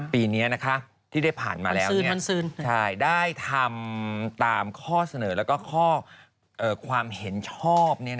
ปีนี้ที่ได้ผ่านมาแล้วได้ทำตามข้อเสนอแล้วก็ข้อความเห็นชอบ